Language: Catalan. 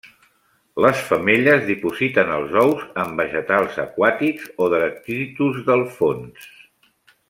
Les femelles dipositen els ous en vegetals aquàtics o detritus del fons.